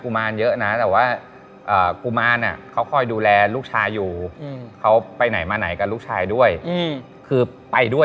คือตัวไม่เป็นไรเลยแม้แต่นิดเดียว